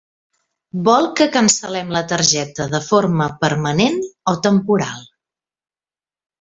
Vol que cancel·lem la targeta de forma permanent, o temporal?